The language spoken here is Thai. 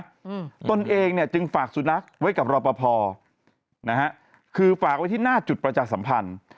อืมตนเองเนี้ยจึงฝากสุนัขไว้กับรอปภนะฮะคือฝากไว้ที่หน้าจุดประชาสัมพันธ์